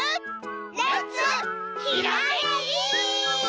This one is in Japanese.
レッツひらめき！